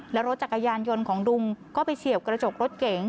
และรถจักรยานยนต์ของลุงก็ไปเฉียวกระจกรถเก๋ง